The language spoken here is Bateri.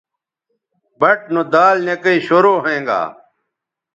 بَٹ نو دال نِکئ شروع ھوینگا